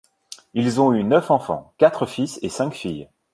Ils ont eu neuf enfants, quatre fils et cinq filles.